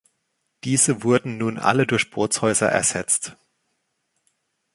Diese wurden nun alle durch Bootshäuser ersetzt.